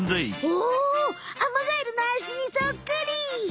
おアマガエルのあしにそっくり！